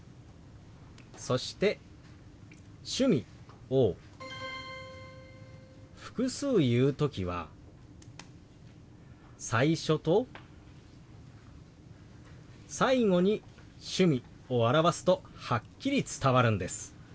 そして「趣味」を複数言う時は最初と最後に「趣味」を表すとはっきり伝わるんです。